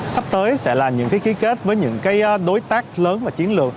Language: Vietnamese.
sắp tới sẽ là những ký kết với những đối tác lớn và chiến lược